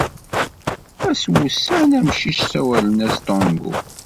Ass wussan, amcic ssawalen-as Tango.